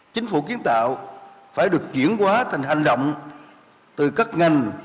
chính phủ kiến tạo phải được chuyển quá thành hành động từ các ngành